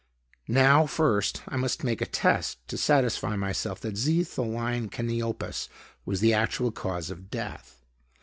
"Now first, I must make a test to satisfy myself that xetholine caniopus was the actual cause of death.